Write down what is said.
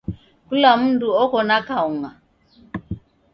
Kula mndu oko na kaung'a.